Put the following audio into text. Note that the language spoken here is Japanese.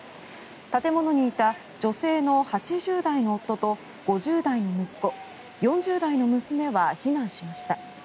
建物にいた女性の８０代の夫と５０代の息子、４０代の娘は避難しました。